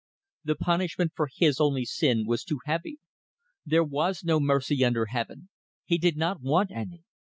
The punishment for his only sin was too heavy. There was no mercy under Heaven. He did not want any.